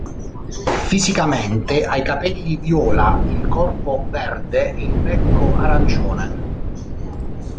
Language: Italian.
Fisicamente ha i capelli viola, il corpo verde e il becco arancione.